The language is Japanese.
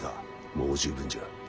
もう十分じゃ。